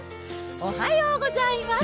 おはようございます。